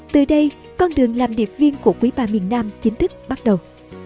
từ đây con đường làm điệp viên của quý ba miền nam chính thức bắt đầu